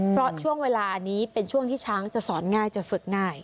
เพราะช่วงเวลาอันนี้เป็นช่วงที่ช้างจะสอนง่ายจะฝึกง่าย